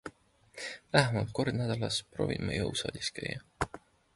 Vähemalt kord nädalas proovin ma jõusaalis käia.